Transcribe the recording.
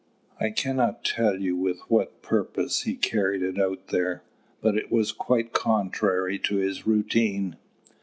I cannot tell you with what purpose he carried it out there, but it was quite contrary to his routine."